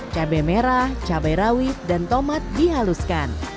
cabai merah cabai rawit dan tomat dihaluskan